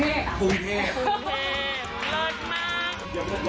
สวัสดีครับคุณผู้ชมครับ